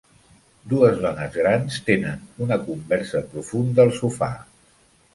Dues dones grans tenen una conversa profunda en el sofà.